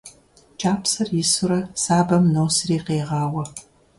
КӀапсэр исурэ сабэм носри, къегъауэ.